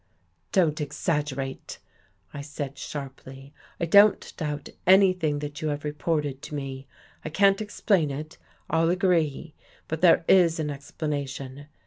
" Don't exaggerate," I said sharply. " I don't doubt anything that you have reported to me. I can't explain it. I'll agree. But there is an explana tion.